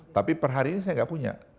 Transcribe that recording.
tapi per hari ini saya nggak punya